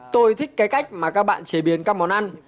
tôi thích cái cách mà các bạn chế biến các món ăn